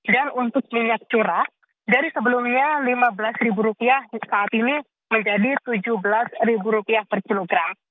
dan untuk minyak curah dari sebelumnya rp lima belas saat ini menjadi rp tujuh belas per kilogram